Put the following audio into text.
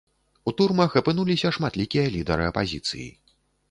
У турмах апынуліся шматлікія лідары апазіцыі.